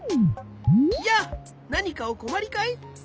やあなにかおこまりかい？